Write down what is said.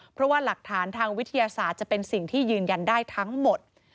เพราะว่าหลักฐานทางวิทยาศาสตร์จะเป็นสิ่งที่ยืนยันได้ทั้งหมด